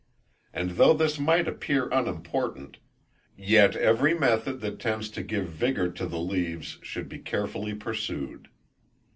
And though this might appear unimportant, yet every method that tends to give vigour to the leaves should be carefully pursued.